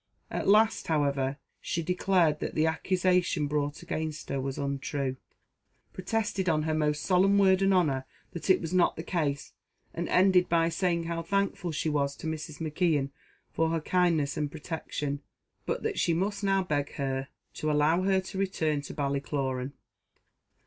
At last, however, she declared that the accusation brought against her was untrue protested on her most solemn word and honour that it was not the case and ended by saying how thankful she was to Mrs. McKeon for her kindness and protection, but that she must now beg her to allow her to return to Ballycloran.